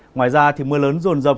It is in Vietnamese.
ngoài ra thì mưa lớn rồn rập